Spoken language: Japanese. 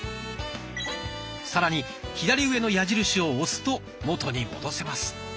さらに左上の矢印を押すと元に戻せます。